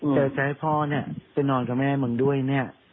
จะให้พ่อเนี่ยไปนอนกับแม่มึงด้วยเนี่ย